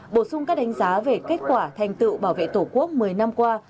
bổ sung các đánh giá về kết quả thành tựu bảo vệ tổ quốc một mươi năm qua